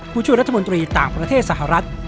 ผู้ช่วยรัฐมนตรีต่างประเทศสหรัฐ